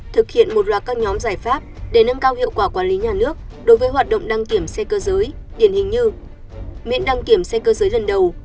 thực hiện một loạt các nhóm giải pháp để nâng cao hiệu quả quản lý nhà nước đối với hoạt động đăng kiểm xe cơ giới điển hình như miễn đăng kiểm xe cơ giới lần đầu